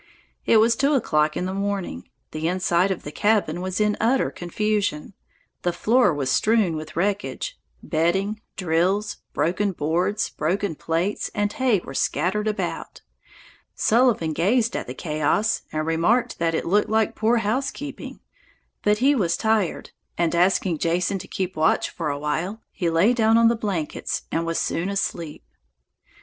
It was two o'clock in the morning. The inside of the cabin was in utter confusion. The floor was strewn with wreckage; bedding, drills, broken boards, broken plates, and hay were scattered about. Sullivan gazed at the chaos and remarked that it looked like poor housekeeping. But he was tired, and, asking Jason to keep watch for a while, he lay down on the blankets and was soon asleep.